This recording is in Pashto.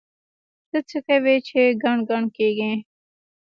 ته څه کوې چې ګڼ ګڼ کېږې؟!